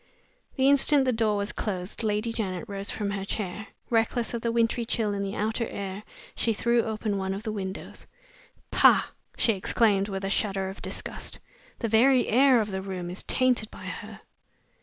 The instant the door was closed Lady Janet rose from her chair. Reckless of the wintry chill in the outer air, she threw open one of the windows. "Pah!" she exclaimed, with a shudder of disgust, "the very air of the room is tainted by her!"